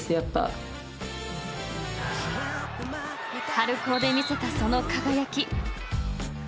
［春高で見せたその輝き］